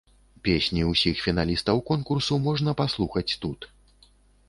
Песні ўсіх фіналістаў конкурсу можна паслухаць тут.